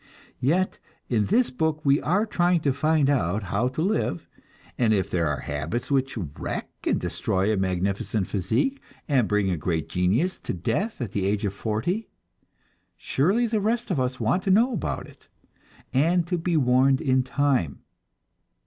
Yet, in this book we are trying to find out how to live, and if there are habits which wreck and destroy a magnificent physique, and bring a great genius to death at the age of forty surely the rest of us want to know about it, and to be warned in time.